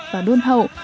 và đôn hậu